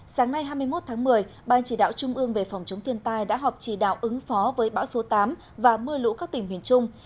sáng nay hai mươi một tháng một mươi ban chỉ đạo trung ương về phòng chống thiên tai đã họp chỉ đạo ứng phó với bão số tám và mưa lũ các tỉnh huyền trung